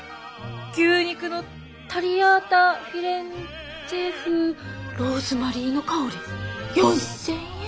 牛肉のタリアータフィレンツェ風ローズマリーの香り４，０００円！？